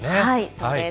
そうです。